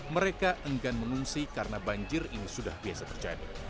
mereka enggan mengungsi karena banjir ini sudah biasa terjadi